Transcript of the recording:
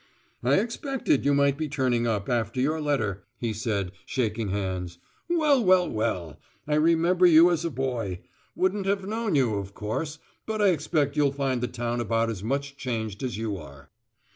"I expected you might be turning up, after your letter," he said, shaking hands. "Well, well, well! I remember you as a boy. Wouldn't have known you, of course; but I expect you'll find the town about as much changed as you are."